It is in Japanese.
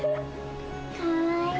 かわいい。